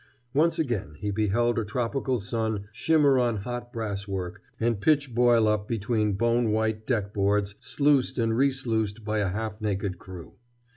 Once again he beheld a tropical sun shimmer on hot brass work and pitch boil up between bone white deck boards sluiced and resluiced by a half naked crew.